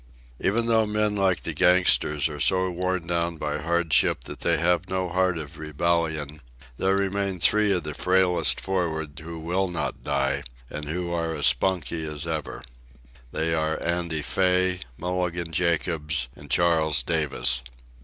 Even though men like the gangsters are so worn down by hardship that they have no heart of rebellion, there remain three of the frailest for'ard who will not die, and who are as spunky as ever. They are Andy Fay, Mulligan Jacobs, and Charles Davis.